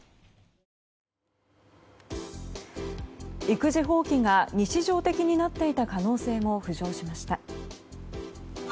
育児放棄が日常的になっていた可能性も浮上しました。